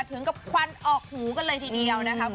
ถึงกับควันออกหูกันเลยทีเดียวนะครับ